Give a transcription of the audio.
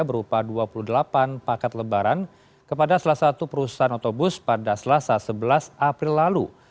berupa dua puluh delapan paket lebaran kepada salah satu perusahaan otobus pada selasa sebelas april lalu